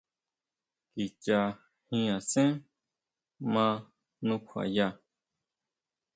Kicha jin asen ʼma nukjuaya.